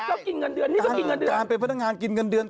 ก็กินเงินเดือนนี่ก็กินเงินเดือนการเป็นพนักงานกินเงินเดือน